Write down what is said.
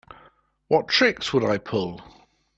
What tricks would I pull?